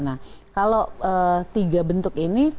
nah kalau tiga bentuk ini